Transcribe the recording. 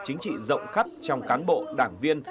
chính trị rộng khắp trong cán bộ đảng viên